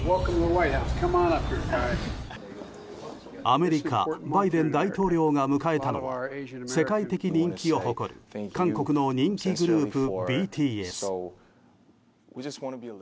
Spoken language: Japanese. アメリカバイデン大統領が迎えたのは世界的人気を誇る韓国の人気グループ、ＢＴＳ。